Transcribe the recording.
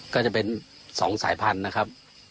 ก็จะเป็น๒สายพันธุ์นะครับ